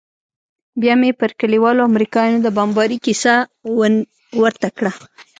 بيا مې پر كليوالو د امريکايانو د بمبارۍ كيسه ورته وكړه.